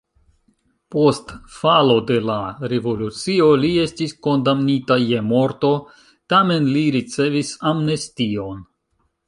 Post falo de la revolucio li estis kondamnita je morto, tamen li ricevis amnestion.